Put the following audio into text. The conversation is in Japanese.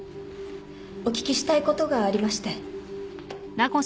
お聞きしたいことがありまして。